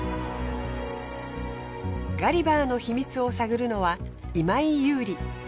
ガリバーの秘密を探るのは今井優里。